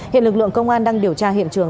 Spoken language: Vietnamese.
hiện lực lượng công an đang điều tra hiện trường